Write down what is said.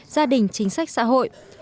gia đình chính sách xã hội